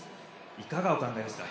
いかがお考えですか？